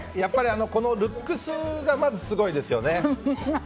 このルックスがまずすごいですよね。